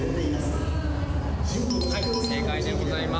はい、正解でございます。